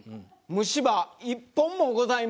虫歯１本もございません。